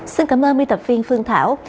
xin cảm ơn miên tập viên phương thảo